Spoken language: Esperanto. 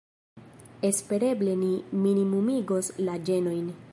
Espereble ni minimumigos la ĝenojn.